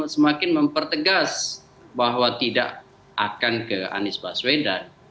semakin mempertegas bahwa tidak akan ke anies baswedan